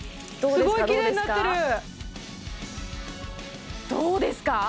すごいきれいになってるどうですか？